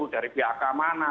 dari pihak mana